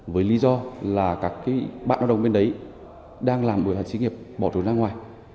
với lý do là các bạn lao động bên đấy đang làm bởi sĩ nghiệp bỏ trốn ra ngoài